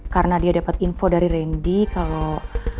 karena dia dapat info dari randy kalau